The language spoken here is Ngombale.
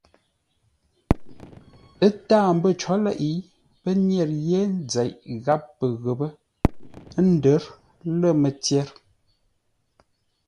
Ə́ táa mbə́ có leʼé, pə́ nyə̂r yé nzeʼ gháp pə ghəpə́ ə́ ndə̌r lə̂ mətyer.